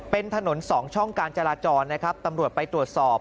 เป็นถนน๒ช่องการจราจรนะครับตำรวจไปตรวจสอบ